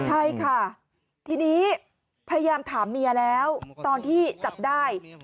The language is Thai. ใช่ค่ะทีนี้พยายามถามเมียแล้วตอนที่จับได้